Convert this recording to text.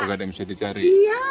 nggak ada yang bisa dicari